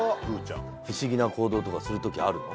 不思議な行動とかするときあるの？